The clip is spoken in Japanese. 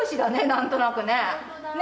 何となくね。